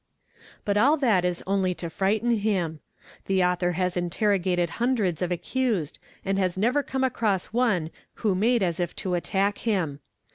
| But all that. is only to frighten him. The author has interrogated hundreds of accused and has never come across one who made as if te¢ attack him.